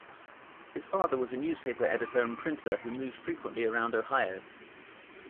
His father was a newspaper editor and printer who moved frequently around Ohio.